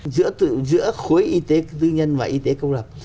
giữa khối y tế tư nhân và y tế công lập